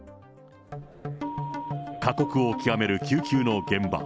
過酷を極める救急の現場。